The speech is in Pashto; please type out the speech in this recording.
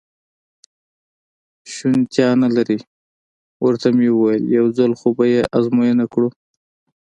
شونېتیا نه لري، ورته مې وویل: یو ځل خو به یې ازموینه کړو.